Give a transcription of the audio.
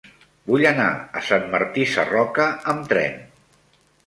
Vull anar a Sant Martí Sarroca amb tren.